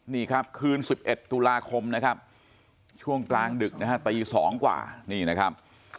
นี่ครับคืน๑๑ตุลาคมนะครับช่วงกลางดึกนะฮะตี๒กว่านี่นะครับ